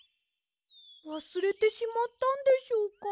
わすれてしまったんでしょうか？